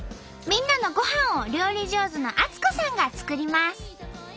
みんなのごはんを料理上手のあつ子さんが作ります。